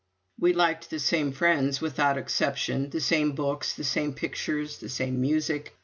We liked the same friends without exception, the same books, the same pictures, the same music.